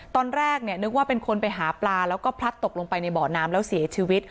ตอนแรกเนี่ยนึกว่าเป็นคนไปหาปลาแล้วก็พลัดตกลงไปในบ่อน้ำแล้วเสียชีวิต